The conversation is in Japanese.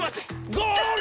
ゴール！